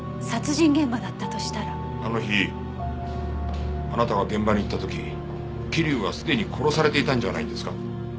あの日あなたが現場に行った時桐生はすでに殺されていたんじゃないんですか？